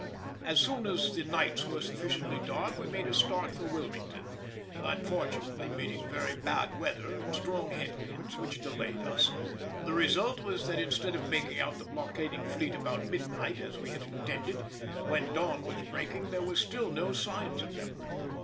As soon as the nights were sufficiently dark we made a start for Wilmington, unfortunately meeting very bad weather and strong head winds, which delayed us; the result was that instead of making out the blockading fleet about midnight, as we had intended, when dawn was breaking there were still no signs of them.